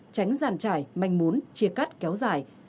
tránh giàn trải manh muốn chia cắt kéo dài